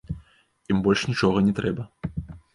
Ім больш нічога не трэба.